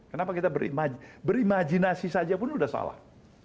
kenapa kita berimajinasi saja pun sudah salah